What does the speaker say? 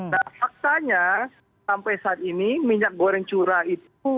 nah faktanya sampai saat ini minyak goreng curah itu